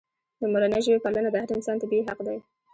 د مورنۍ ژبې پالنه د هر انسان طبیعي حق دی.